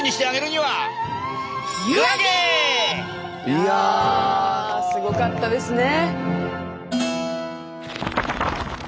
いやすごかったですね。